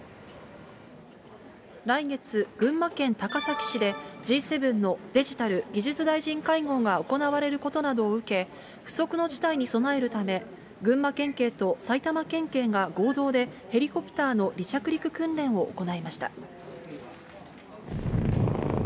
来月、群馬県高崎市で、Ｇ７のデジタル技術大臣会合が行われることなどを受け、不測の事態に備えるため、群馬県警と埼玉県警が合同でヘリコプターの離着陸訓練を行いました。